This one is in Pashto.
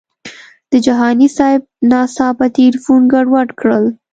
د جهاني صاحب ناڅاپه تیلفون ګډوډ کړل.